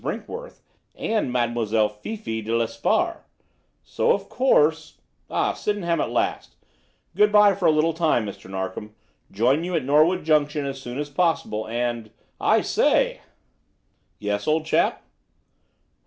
Brinkworth and Mademoiselle Fifi de Lesparre. So, of course Sydenham at last. Good bye for a little time, Mr. Narkom. Join you at Norwood Junction as soon as possible, and I say!" "Yes, old chap?"